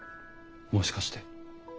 もしかして。